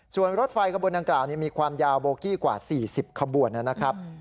ส่วนรถไฟขบวนดังกล่าวมีความยาวโบกี้กว่า๔๐ขบวนนะครับ